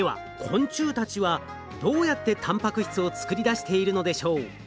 昆虫たちはどうやってたんぱく質を作り出しているのでしょう。